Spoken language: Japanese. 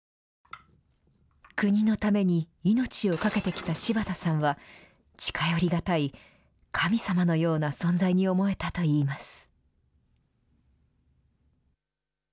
国のために命をかけてきた柴田さんは、近寄り難い、神様のような存在に思えたといいます。